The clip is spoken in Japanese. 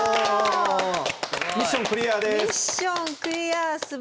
ミッションクリアです。